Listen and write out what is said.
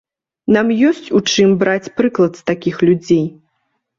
Нам ёсць у чым браць прыклад з такіх людзей.